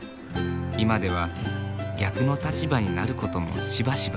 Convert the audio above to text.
今では逆の立場になることもしばしば。